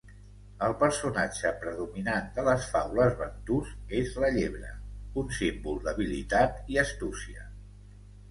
El personatge predominant de les faules bantus és la llebre, un símbol d'habilitat i astúcia.